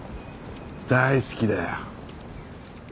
大好きだよ。